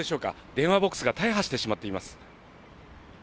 電話ボックスが大破してしまっています。